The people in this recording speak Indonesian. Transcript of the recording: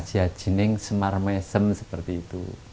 dan jening semar mesem seperti itu